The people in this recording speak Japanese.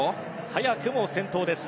早くも先頭です。